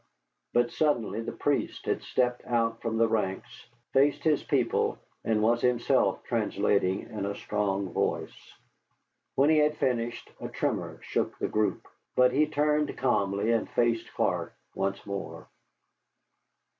But suddenly the priest had stepped out from the ranks, faced his people, and was himself translating in a strong voice. When he had finished a tremor shook the group. But he turned calmly and faced Clark once more.